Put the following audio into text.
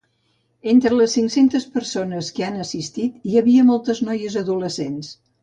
Entre les cinc-centes persones que hi han assistit hi havia moltes noies adolescents.